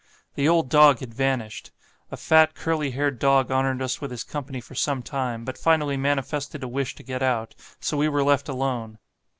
The old dog had vanished; a fat curly haired dog honoured us with his company for some time, but finally manifested a wish to get out, so we were left alone.